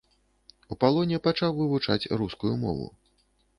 У палоне пачаў вывучаць рускую мову.